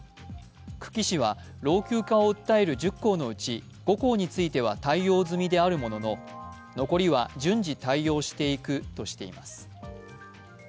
久喜市は老朽化を訴える１０校のうち５校については対応済みであるものの残りは順次対応していくとしています。